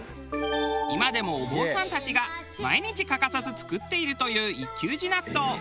今でもお坊さんたちが毎日欠かさず作っているという一休寺納豆。